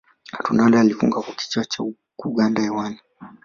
ronaldo alifunga kwa kichwa cha kuganda hewani